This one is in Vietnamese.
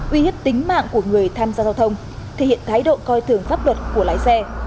uy hiếp tính mạng của người tham gia giao thông thể hiện thái độ coi thường pháp luật của lái xe